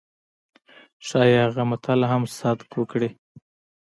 ښايي هغه متل هم صدق وکړي.